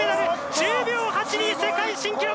１０秒８２世界新記録！